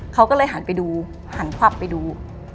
เขาก็เลยหันไปดูหันขวับไปดู